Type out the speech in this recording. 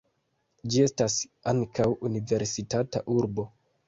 Ĝi estas ankaŭ universitata urbo.